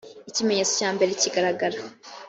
ikimenyetso cya mbere kigaragara